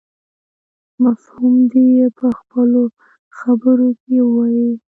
مفهوم دې يې په خپلو خبرو کې ووايي.